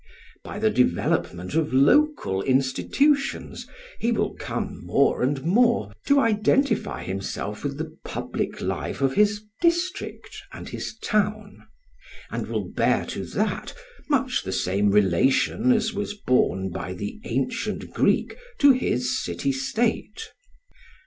By the development of local institutions he will come, more and more, to identify himself with the public life of his district and his town; and will bear to that much the same relation as was borne by the ancient Greek to his city state.